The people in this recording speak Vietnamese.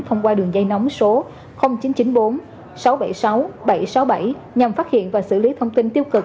thông qua đường dây nóng số chín trăm chín mươi bốn sáu trăm bảy mươi sáu bảy trăm sáu mươi bảy nhằm phát hiện và xử lý thông tin tiêu cực